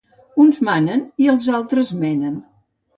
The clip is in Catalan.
Uns manen i altres menen.